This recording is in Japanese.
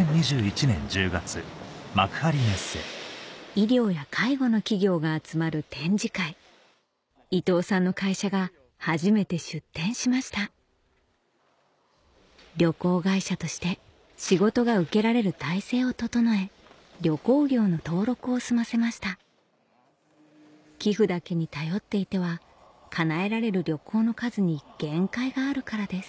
医療や介護の企業が集まる展示会伊藤さんの会社が初めて出展しました旅行会社として仕事が受けられる体制を整え旅行業の登録を済ませました寄付だけに頼っていては叶えられる旅行の数に限界があるからです